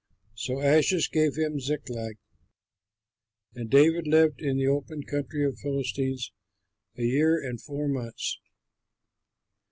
So Achish gave him Ziklag, and David lived in the open country of the Philistines a year and four months.